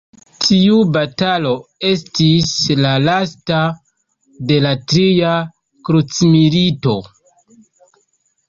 Tiu batalo estis la lasta de la tria krucmilito.